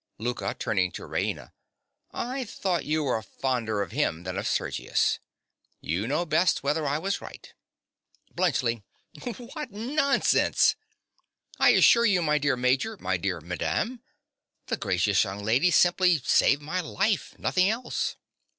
LOUKA. (turning to Raina). I thought you were fonder of him than of Sergius. You know best whether I was right. BLUNTSCHLI. What nonsense! I assure you, my dear Major, my dear Madame, the gracious young lady simply saved my life, nothing else.